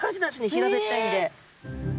平べったいんで。